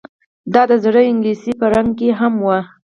دا د زړې انګلیسي په رنګ کې هم وه